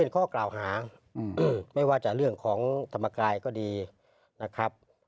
ข้อกล่าวหาไม่ว่าจะเรื่องของธรรมกายก็ดีนะครับ